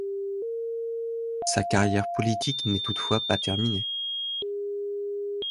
Sa carrière politique n'est toutefois pas terminée.